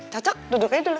cocok duduk aja dulu